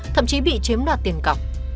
thậm chí bị chếm đoạt tiền cọc